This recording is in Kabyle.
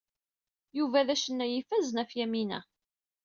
Yuba d acennay ifazen ɣef Yamina.